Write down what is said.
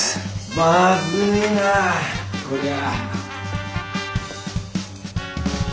まずいなこりゃあ。